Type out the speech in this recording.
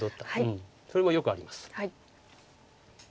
それもよくあります。